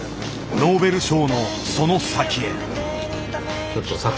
ノーベル賞のその先へ。